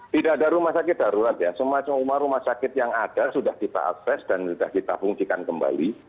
tidak ada rumah sakit darurat ya semacam rumah rumah sakit yang ada sudah kita akses dan sudah kita fungsikan kembali